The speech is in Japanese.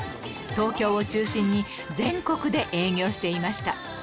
東京を中心に全国で営業していました